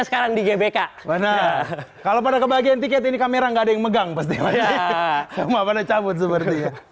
sekarang di gbk mana kalau pada kebahagiaan tiket ini kamera nggak ada yang megang pasti cabut seperti